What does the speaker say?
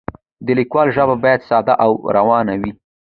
د لیکوال ژبه باید ساده او روانه وي.